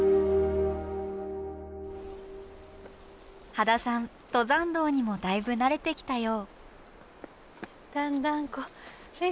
羽田さん登山道にもだいぶ慣れてきたよう。